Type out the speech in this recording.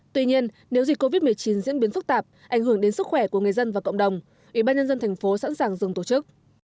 tuy nhiên nếu dịch covid một mươi chín diễn biến phức tạp ảnh hưởng đến sức khỏe của người dân và cộng đồng ủy ban nhân dân thành phố sẵn sàng dừng tổ chức